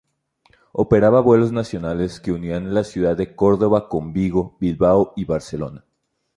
Operaba vuelos nacionales que unían la ciudad de Córdoba con Vigo, Bilbao y Barcelona.